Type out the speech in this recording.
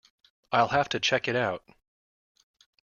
I’ll have to check it out.